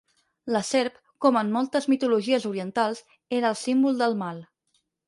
La serp, com en moltes mitologies orientals, era el símbol del mal.